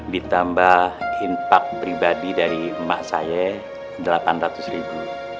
ditambah inpak pribadi dari emak saya delapan ratus ribu